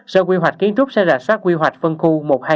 sở quy hoạch kiến trúc sẽ rà soát quy hoạch phân khu một hai nghìn